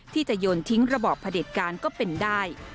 ที่จะโยนทิ้งระบอบผลิตการก็เป็นได้